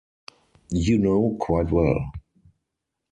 You know quite well.